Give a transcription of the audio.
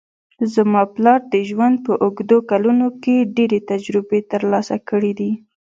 زما پلار د ژوند په اوږدو کلونو کې ډېرې تجربې ترلاسه کړې دي